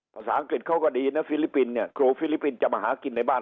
ภาษาอังกฤษเขาก็ดีนะฟิลิปปินส์เนี่ยครูฟิลิปปินส์จะมาหากินในบ้าน